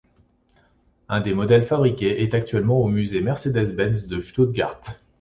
Un des modèles fabriqués est actuellement au Musée Mercedes-Benz de Stuttgart.